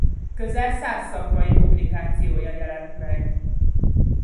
Közel száz szakmai publikációja jelent meg.